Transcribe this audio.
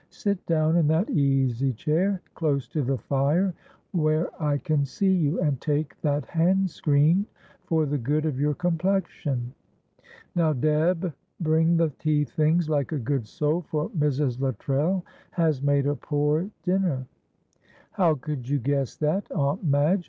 Sit down in that easy chair close to the fire where I can see you, and take that handscreen for the good of your complexion. Now, Deb, bring the tea things, like a good soul, for Mrs. Luttrell has made a poor dinner." "How could you guess that, Aunt Madge?